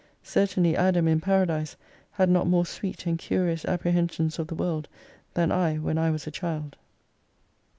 Certainly Adam in Paradise had not more sweet and curious apprehensions of^ the world, than I when I was a child.